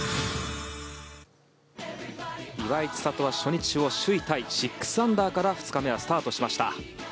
岩井千怜は初日を首位タイ６アンダーから２日目はスタートしました。